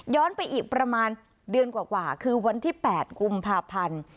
ย้อนไปอีกประมาณเดือนกว่ากว่าคือวันที่แปดกุมภาพพันธ์